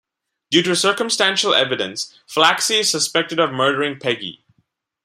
Due to circumstantial evidence, Flaxy is suspected of murdering Peggy.